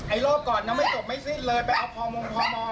ไอโลก่อนเนี้ยไม่จบไม่สิ้นเลยไปเอาพอมงพอมอมาเนี้ย